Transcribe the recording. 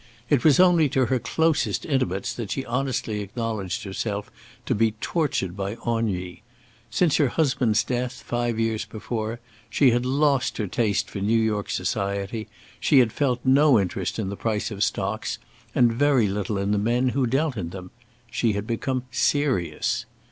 It was only to her closest intimates that she honestly acknowledged herself to be tortured by ennui. Since her husband's death, five years before, she had lost her taste for New York society; she had felt no interest in the price of stocks, and very little in the men who dealt in them; she had become serious.